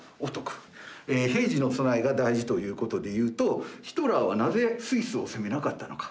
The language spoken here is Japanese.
平時の備えが大事ということでいうとヒトラーはなぜスイスを攻めなかったのか。